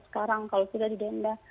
kalau tidak di denda